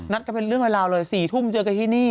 กันเป็นเรื่องเป็นราวเลย๔ทุ่มเจอกันที่นี่